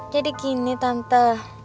jadi gini tante